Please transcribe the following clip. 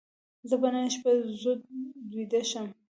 زه به نن شپه زود ویده شم.